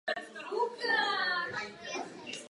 Počet cestujících stále roste.